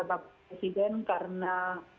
bapak presiden karena